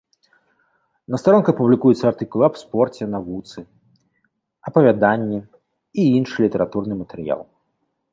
На старонках публікуюцца артыкулы аб спорце, навуцы, апавяданні і іншы літаратурны матэрыял.